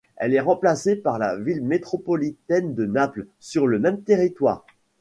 Elle est remplacée par la ville métropolitaine de Naples sur le même territoire.